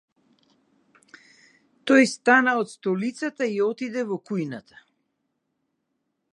Тој стана од столицата и отиде во кујната.